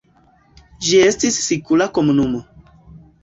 Ĝi estis sikula komunumo.